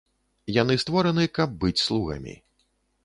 Яны створаны, каб быць слугамі.